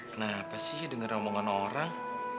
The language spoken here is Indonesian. kenapa sih dengar omongan orang